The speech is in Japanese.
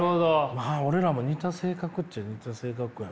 まあ俺らも似た性格っちゃ似た性格やから。